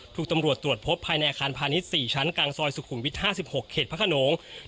ถูกตำรวจตรวจพบภายในอาคารพาริชสี่ชั้นกลางซอยศุขุมวิทย์ห้าสิบหกเขตพระคะโน้ง